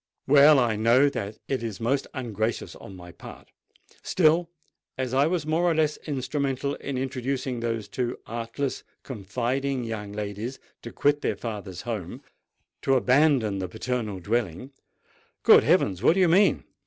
Well—I know that it is most ungracious on my part: still, as I was more or less instrumental in inducing those too artless, confiding young ladies to quit their father's home—to abandon the paternal dwelling——" "Good heavens! what do you mean?"